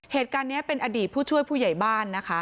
เหตุการณ์นี้เป็นอดีตผู้ช่วยผู้ใหญ่บ้านนะคะ